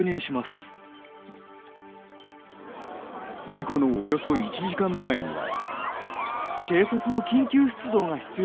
事故のおよそ１時間前には。